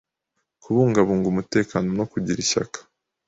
kubungabunga umutekano no kugira ishyaka.